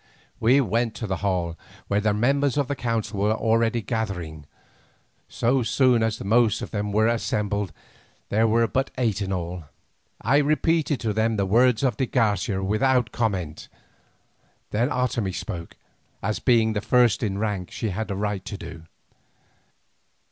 We went to the hall, where the members of the council were already gathering. So soon as the most of them were assembled, there were but eight in all, I repeated to them the words of de Garcia without comment. Then Otomie spoke, as being the first in rank she had a right to do.